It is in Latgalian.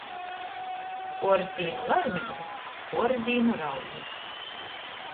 Puors dīnu laimeiga, puors dīnu raudi.